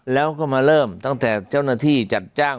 แล้วก็มาเริ่มตั้งแต่เจ้าหน้าที่จัดจ้าง